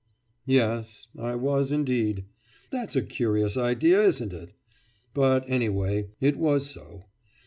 'Yes, I was indeed. That's a curious idea, isn't it? But, anyway, it was so.